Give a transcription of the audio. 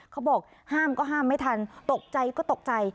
เขาบอกห้ามก็ห้ามไม่ทันตกใจก็ตกใจ